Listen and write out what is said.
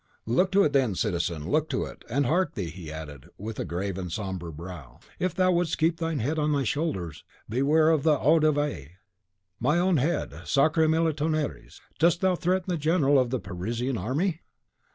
'" "Look to it, then, citizen, look to it! And hark thee," he added, with a grave and sombre brow, "if thou wouldst keep thine own head on thy shoulders, beware of the eau de vie." "My own head! sacre mille tonnerres! Dost thou threaten the general of the Parisian army?"